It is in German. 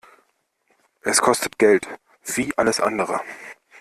Es kostet Geld wie alles andere.